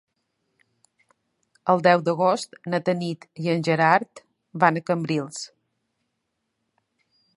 El deu d'agost na Tanit i en Gerard van a Cambrils.